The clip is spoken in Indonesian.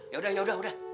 yaudah yaudah yaudah